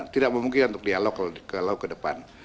tidak memungkinkan untuk dialog kalau ke depan